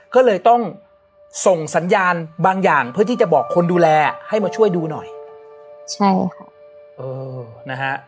ก็เลยต้องส่งสัญญาณบางอย่างเพื่อที่จะบอกคนดูแลให้มาช่วยดูหน่อยใช่ค่ะเออนะฮะ